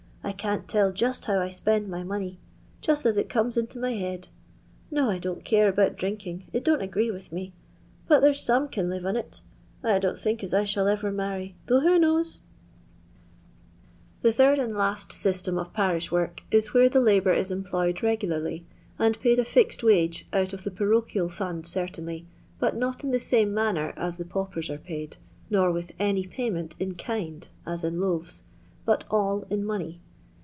I can't tell just how I spend my money; just as it comes into my head. No, I don't care about drinking ; it don't agree with me ; bot there's some can live on it. I don't think as I shall ever marry, though who knows]" The third and last qritem of parish work is where the labourer is employed regularly, and paid a fixed wage, out of the parochial fund certainly, but not in the same manner as the paupers are paid, nor with any payment in kind (as in loaves), but all in money.